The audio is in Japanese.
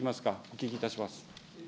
お聞きいたします。